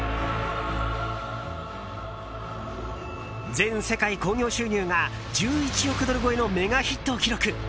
全世界興行収入が１１億ドル超えのメガヒットを記録！